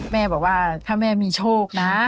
แม่บอกว่าถ้าแม่มีโชคนะ